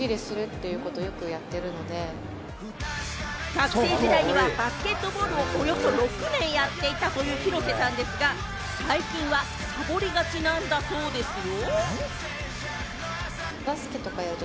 学生時代にはバスケットボールをおよそ６年やっていたという広瀬さんですが、最近はサボりがちなんだそうですよ。